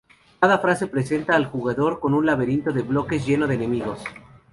Cada fase presenta al jugador con un laberinto de bloques lleno de enemigos.